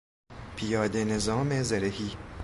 پیاده نظام زرهی